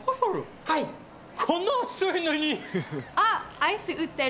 アイス売ってる！